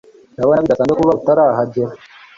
Ndabona bidasanzwe kuba atarahagera